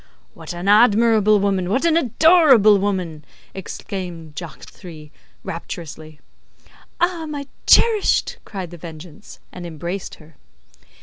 "What an admirable woman; what an adorable woman!" exclaimed Jacques Three, rapturously. "Ah, my cherished!" cried The Vengeance; and embraced her.